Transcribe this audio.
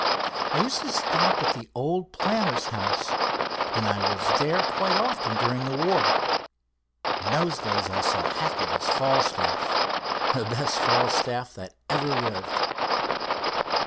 I used to stop at the old Planter's House, and I was there quite often during the war. In those days I saw Hackett as Falstaff, the best Falstaff that ever lived.